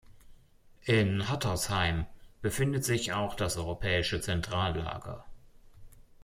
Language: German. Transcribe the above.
In Hattersheim befindet sich auch das europäische Zentrallager.